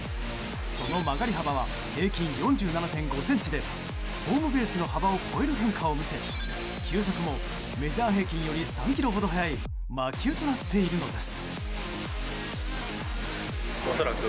その曲がり幅は平均４７．５ｃｍでホームベースの幅を超える変化を見せ球速もメジャー平均より３キロほど速い魔球となっているのです。